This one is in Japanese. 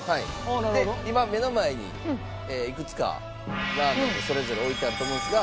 今目の前にいくつかラーメンがそれぞれ置いてあると思うんですが。